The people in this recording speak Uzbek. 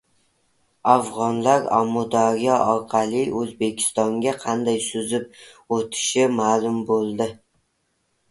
Afg‘onlar Amudaryo orqali O‘zbekistonga qanday suzib o‘tishi ma’lum bo‘ldi